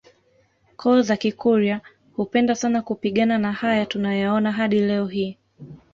koo za Kikurya hupenda sana kupigana na haya tunayaona hadi leo hii